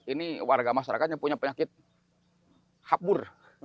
ini warga masyarakatnya punya penyakit hapur